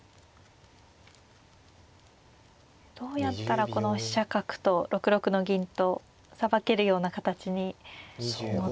どうやったらこの飛車角と６六の銀とさばけるような形に持っていけるのか。